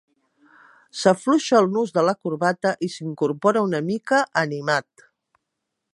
S'afluixa el nus de la corbata i s'incorpora una mica, animat.